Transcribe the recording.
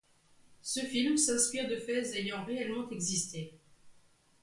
Ce film s'inspire de faits ayant réellement existé.